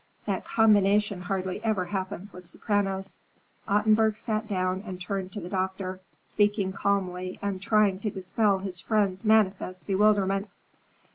That combination hardly ever happens with sopranos." Ottenburg sat down and turned to the doctor, speaking calmly and trying to dispel his friend's manifest bewilderment.